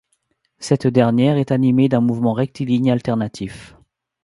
Cette dernière est animée d’un mouvement rectiligne alternatif.